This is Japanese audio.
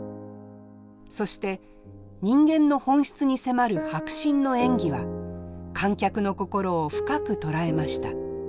そして人間の本質に迫る迫真の演技は観客の心を深く捉えました。